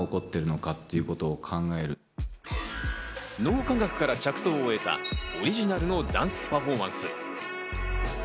脳科学から着想を得たオリジナルのダンスパフォーマンス。